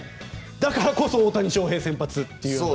だからこそ大谷翔平先発っていう。